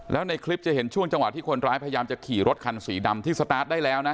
แล้วในคลิปจะเห็นช่วงจังหวะที่คนร้ายพยายามจะขี่รถคันสีดำที่สตาร์ทได้แล้วนะ